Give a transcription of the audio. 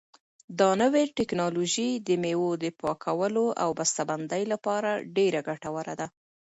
دا نوې ټیکنالوژي د مېوو د پاکولو او بسته بندۍ لپاره ډېره ګټوره ده.